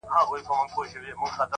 د ټپې په رزم اوس هغه ده پوه سوه ـ